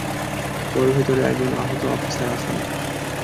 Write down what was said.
ওর ভেতরে একজন আহত অফিসার আছেন।